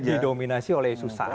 didominasi oleh susah